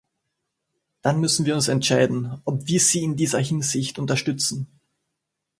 Dann müssen wir uns entscheiden, ob wie Sie in dieser Hinsicht unterstützen.